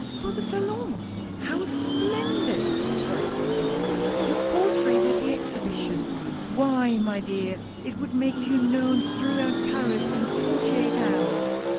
" For the Salon ? How splendid I " cried Clotilde. " Your portrait at the Exposition I Why, my dear, it would make you known throughout Paris in forty eight hours."